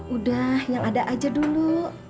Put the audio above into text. udah yang ada aja dulu